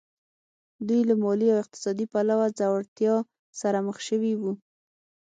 دوی له مالي او اقتصادي پلوه ځوړتیا سره مخ شوي وو